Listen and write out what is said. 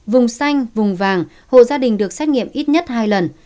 vùng xanh vùng vàng hộ gia đình được xét nghiệm ít nhất hai lần